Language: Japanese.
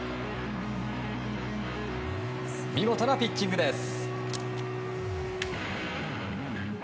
見事なピッチングです。